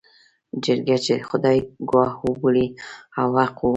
جرګه چې خدای ګواه وبولي او حق ووايي.